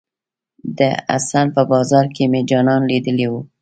د حسن په بازار کې مې جانان ليدلی وه.